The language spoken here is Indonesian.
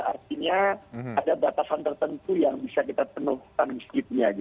artinya ada batasan tertentu yang bisa kita penuhkan masjidnya